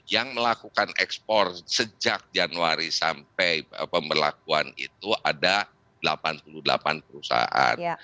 yang melakukan ekspor sejak januari sampai pemberlakuan itu ada delapan puluh delapan perusahaan